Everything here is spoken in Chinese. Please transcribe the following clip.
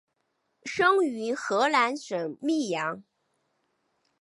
生于河南省泌阳。